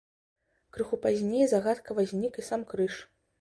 Крыху пазней загадкава знік і сам крыж.